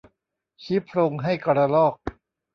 ชี้โพรงให้กระรอก